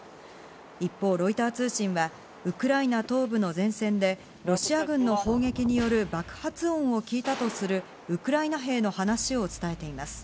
一方、ロイター通信はウクライナ東部の前線でロシア軍の攻撃による爆発音を聞いたとするウクライナ兵の話を伝えています。